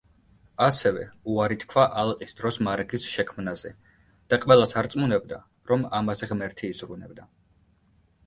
ასევე უარი თქვა ალყის დროს მარაგის შექმნაზე და ყველას არწმუნებდა, რომ ამაზე ღმერთი იზრუნებდა.